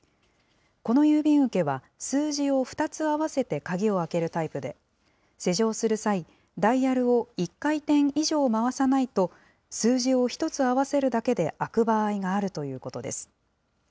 この郵便受けは、数字を２つ合わせて鍵を開けるタイプで、施錠する際、ダイヤルを１回転以上回さないと、数字を１つ合わせるだけで開く場合があるということです。